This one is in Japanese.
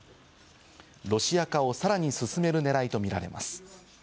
ロシア化をさらに進めるねらいとみられます。